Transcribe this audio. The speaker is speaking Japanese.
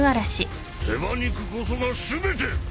手羽肉こそが全て！